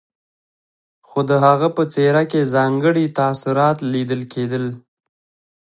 خو د هغه په څېره کې ځانګړي تاثرات ليدل کېدل.